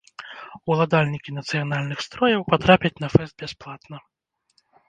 Уладальнікі нацыянальных строяў патрапяць на фэст бясплатна.